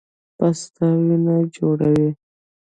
پسته وینه جوړوي